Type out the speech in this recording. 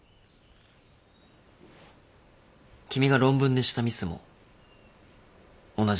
君が論文でしたミスも同じ理由だった。